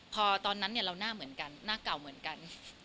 พอตอนนั้นเราหน้าเหมือนกันหน้าเก่าเหมือนกัน